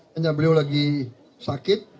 hanya beliau lagi sakit